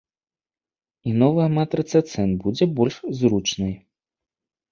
І новая матрыца цэн будзе больш зручнай.